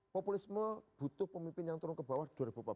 populisme butuh pemimpin yang turun ke bawah dua ribu empat belas